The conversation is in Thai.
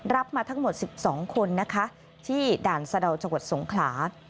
มาทั้งหมด๑๒คนนะคะที่ด่านสะดาวจังหวัดสงขลา